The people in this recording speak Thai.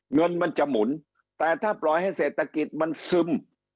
เงินมันจะหมุนแต่ถ้าปล่อยให้เศรษฐกิจมันซึม